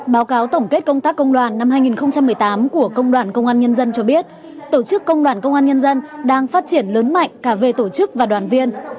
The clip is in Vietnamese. báo cáo tổng kết công tác công đoàn năm hai nghìn một mươi tám của công đoàn công an nhân dân cho biết tổ chức công đoàn công an nhân dân đang phát triển lớn mạnh cả về tổ chức và đoàn viên